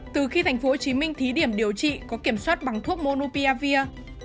từ khi tp hcm thí điểm điều trị có kiểm soát bằng thuốc monopiavia